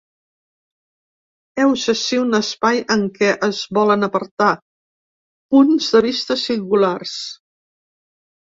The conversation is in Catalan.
Heus ací un espai en què es volen aportar punts de vista singulars.